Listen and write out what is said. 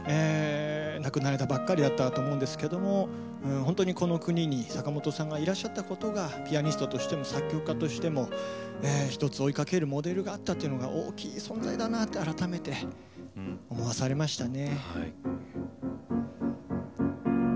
亡くなられたばかりだったんですけどこの国に坂本龍一さんがいらっしゃったことがピアニストとしても作曲家として１つ追いかけるモデルだったというのが大きい存在だなと改めて思わされましたね。